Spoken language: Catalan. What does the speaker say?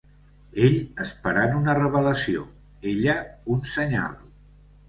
Ell, esperant una revelació; ella, un senyal.